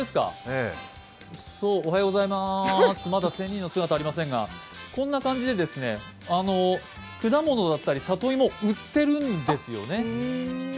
まだ仙人の姿はありませんがこんな感じで、果物だったり里芋が売ってるんですよね。